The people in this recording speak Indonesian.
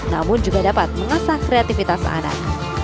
namun juga dapat mengasah kreativitas anak